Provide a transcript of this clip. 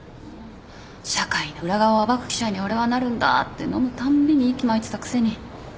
「社会の裏側を暴く記者に俺はなるんだ」って飲むたんびに息巻いてたくせに？